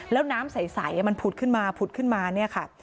แล้วน้ำใสมันผุดขึ้นมาผุดขึ้นมา